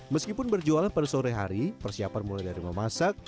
meskipun berjualan pada sore hari persiapan mulai dari memasak